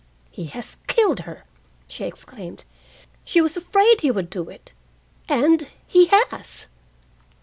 "He has killed her!" she exclaimed. "She was afraid he would do it, and he has."